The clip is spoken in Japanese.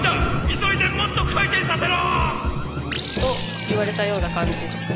急いでもっと回転させろ！と言われたような感じ。